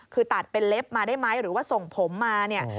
คือตัดเป็นเล็บมาได้ไหมหรือว่าส่งผมมาเนี่ย